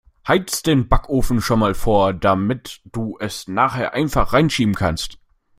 Heiz' den Backofen schon mal vor, damit du es nachher einfach 'reinschieben kannst.